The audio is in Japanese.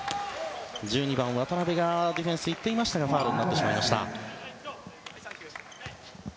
１２番、渡邊がディフェンスにいきましたがファウルになってしまいました。